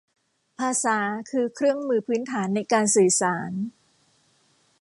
ภาษาคือเครื่องมือพื้นฐานในการสื่อสาร